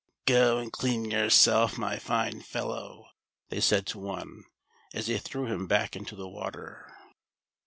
" Go and clean yourself, my fine fellow," they said to one, as they threw him back into the water.